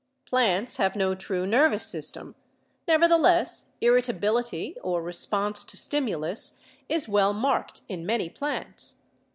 Plants have no true nervous system, nevertheless irritabil ity or response to stimulus is well marked in many plants.